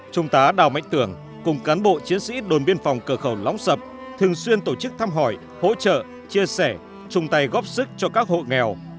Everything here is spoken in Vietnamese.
chúng ta đào mạnh tưởng cùng cán bộ chiến sĩ đồn biên phòng cửa khẩu lóng sập thường xuyên tổ chức thăm hỏi hỗ trợ chia sẻ trùng tay góp sức cho các hộ nghèo